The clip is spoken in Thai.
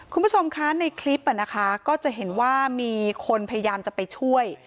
คุณผู้ชมคะในคลิปนะคะก็จะเห็นว่ามีคนพยายามจะไปช่วย